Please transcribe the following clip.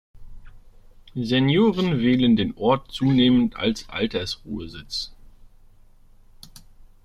Senioren wählen den Ort zunehmend als Altersruhesitz.